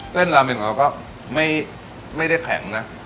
เซ็นลาเมนของเราก็ไม่ได้แข็งนะ